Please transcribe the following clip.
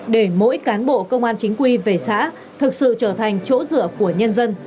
để mỗi cán bộ công an chính quy về xã thực sự trở thành chỗ dựa của nhân dân